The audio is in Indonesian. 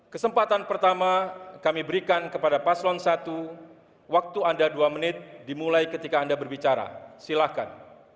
kesempatan pertama kami berikan kepada paslon satu waktu anda dua menit dimulai ketika anda berbicara silahkan